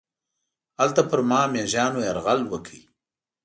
هلته پر ما میږیانو یرغل وکړ.